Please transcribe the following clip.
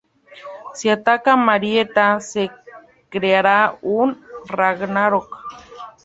Si ataca a Marietta, se creará un Ragnarok.